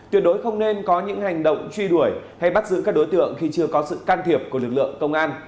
tuyệt đối không nên có những hành động truy đuổi hay bắt giữ các đối tượng khi chưa có sự can thiệp của lực lượng công an